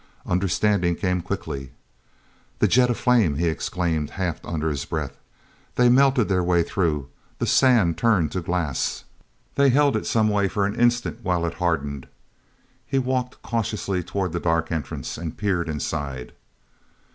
Understanding came quickly. "The jet of flame!" he exclaimed half under his breath. "They melted their way through; the sand turned to glass; they held it some way for an instant while it hardened." He walked cautiously toward the dark entrance and peered inside.